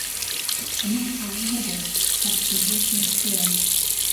ئهمن حاڵی نهبووم مهحسولییهتم چییه